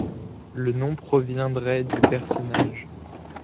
Le nom proviendrait du personnage.